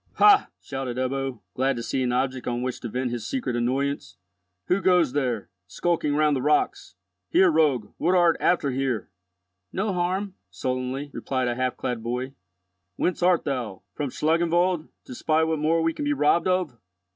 "Ha!" shouted Ebbo, glad to see an object on which to vent his secret annoyance. "Who goes there, skulking round the rocks? Here, rogue, what art after here?" "No harm," sullenly replied a half clad boy. "Whence art thou? From Schlangenwald, to spy what more we can be robbed of?